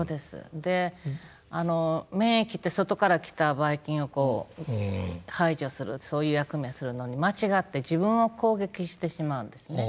で免疫って外から来たばい菌を排除するそういう役目をするのに間違って自分を攻撃してしまうんですね。